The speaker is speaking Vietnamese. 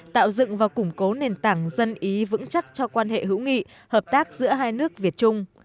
tạo dựng và củng cố nền tảng dân ý vững chắc cho quan hệ hữu nghị hợp tác giữa hai nước việt trung